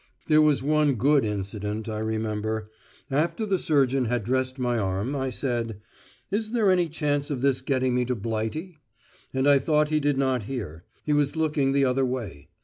There was one good incident I remember. After the surgeon had dressed my arm, I said, "Is there any chance of this getting me to Blighty?" And I thought he did not hear; he was looking the other way.